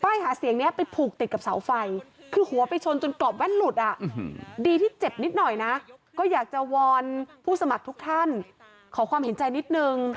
หาเสียงนี้ไปผูกติดกับเสาไฟคือหัวไปชนจนกรอบแว่นหลุดอ่ะดีที่เจ็บนิดหน่อยนะก็อยากจะวอนผู้สมัครทุกท่านขอความเห็นใจนิดนึง